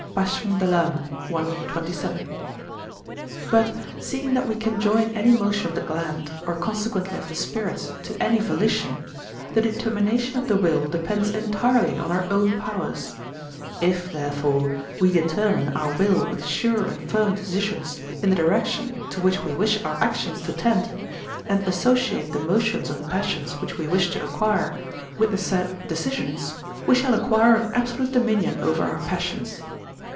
(Passions de l'âme, I.27). But, seeing that we can join any motion of the gland, or consequently of the spirits, to any volition, the determination of the will depends entirely on our own powers; if, therefore, we determine our will with sure and firm decisions in the direction to which we wish our actions to tend, and associate the motions of the passions which we wish to acquire with the said decisions, we shall acquire an absolute dominion over our passions.